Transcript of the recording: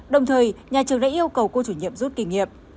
đồng thời nhà trường đã yêu cầu cô chủ nhiệm rút kỷ nghiệp